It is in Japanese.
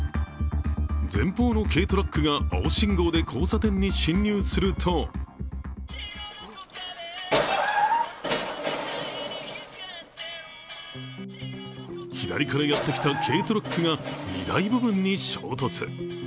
前方の軽トラックが青信号で交差点に進入すると左からやってきた軽トラックが荷台部分に衝突。